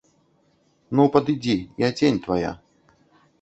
Ну, падыдзі, я цень твая.